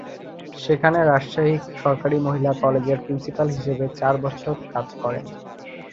সেখানে রাজশাহী সরকারী মহিলা কলেজের প্রিন্সিপাল হিসেবে চার বছর কাজ করেন।